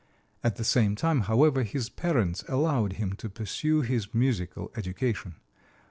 At the same time, however, his parents allowed him to pursue his musical education.